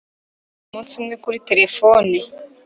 umunsi umwe kuri telefone